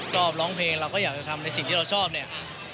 ร้องเพลงเราก็อยากจะทำในสิ่งที่เราชอบเนี่ย